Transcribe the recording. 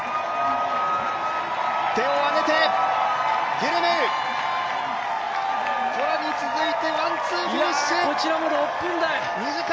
手を上げて、ゲレメウ、トラに続いてワン・ツーフィニッシュ！